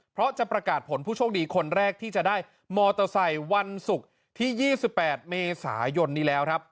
เพราะจะประกาศผลผู้โชคดีคนแรกที่จะได้มอเตอร์ไซค์วันศุกร์ที่๒๘เมษายนนี้แล้วครับ